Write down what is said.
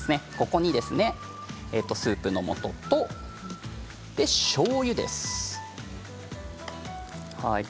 ここにスープのもととしょうゆです。